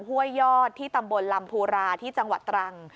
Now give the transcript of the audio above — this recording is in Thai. ห้วยยอดที่ตำบลลำภูราที่จังหวัดตรัง